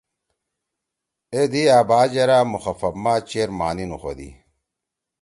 ای دئی أ بات یرأ اے مخفف ما چیر معنی نوخودی۔